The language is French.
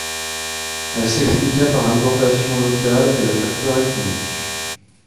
Elle s'expliqua par l'implantation locale et le facteur ethnique.